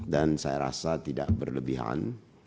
dan saya rasa tidak berlebihan